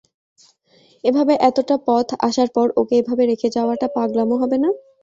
এভাবে এতোটা পথ আসার পর ওকে এভাবে রেখে যাওয়াটা পাগলামো হবে না?